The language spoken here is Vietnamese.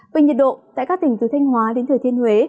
về nhiệt độ tại các tỉnh từ thanh hóa đến thừa thiên huế